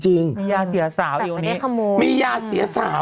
มียาเสียสาวอีกวันนี้มียาเสียสาว